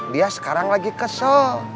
dia sekarang lagi kesel